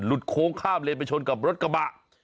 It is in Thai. โค้งข้ามเลนไปชนกับรถกระบะ